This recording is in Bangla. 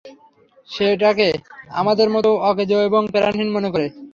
সে এটাকে আমাদের মতো অকেজো এবং প্রাণহীন মনে করে।